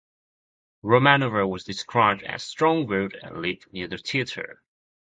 Romanova was described as 'strong-willed', and lived near the theater.